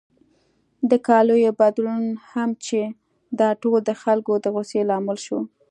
د کالیو بدلون هم چې دا ټول د خلکو د غوسې لامل شو.